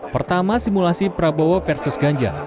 pertama simulasi prabowo versus ganjar